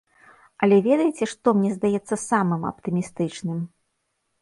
Але ведаеце, што мне здаецца самым аптымістычным?